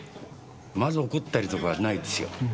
まず怒ったりとかないですよ。